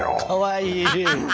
かわいい。